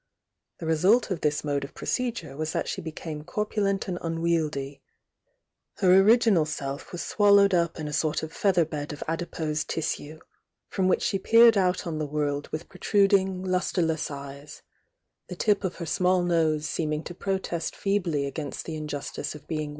The result of tins mode of procedure was that she became corpulent and unwieldy,— her original self was swal lowed up m a sort of featherbed of adipose tissue, from which she peered out on the world with pro 12 THE YOUNG DIANA truding, lustreless eyes, the tip of her small nose K"£l^ protest feebly agafnst the injustic^^ SlT^fl.